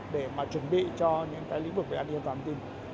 để mà chuẩn bị cho những cái lĩnh vực về an ninh an toàn thông tin